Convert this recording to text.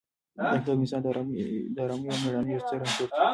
دا کتاب د انسان د ارادې او مېړانې یو ستر انځور دی.